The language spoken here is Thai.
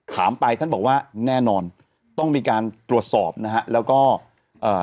ถามไปท่านบอกว่าแน่นอนต้องมีการตรวจสอบนะฮะแล้วก็เอ่อ